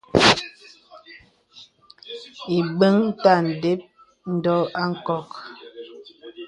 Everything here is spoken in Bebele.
Ìbəŋ ta də́p ndɔ̄ a nkɔk.